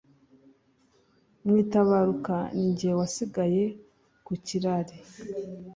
Mu itabaruka ni jye wasigaye ku kirari